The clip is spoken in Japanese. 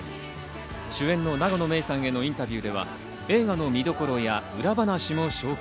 主演の永野芽郁さんへのインタビューでは映画の見どころや裏話を紹介。